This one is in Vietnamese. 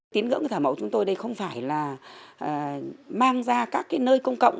tín ngưỡng thờ mẫu chúng tôi đây không phải là mang ra các nơi công cộng